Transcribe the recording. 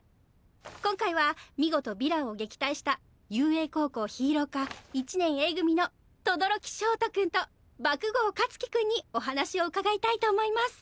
今回は見事ヴィランを撃退した雄英高校ヒーロー科１年Ａ組の轟焦凍くんと爆豪勝己くんにお話を伺いたいと思います。